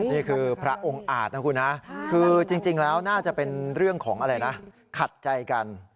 นี่คือพระองค์อาจนะคุณนะคือจริงแล้วน่าจะเป็นเรื่องของอะไรนะขัดใจกัน